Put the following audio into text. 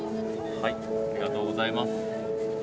ありがとうございます。